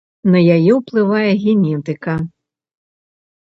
На яе ўплывае генетыка.